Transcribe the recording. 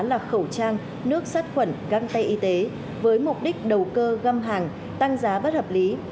là khẩu trang nước sắt khuẩn găng tay y tế với mục đích đầu cơ găm hàng tăng giá bất hợp lý